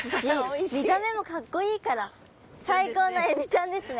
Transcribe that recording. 見た目もかっこいいから最高のエビちゃんですね。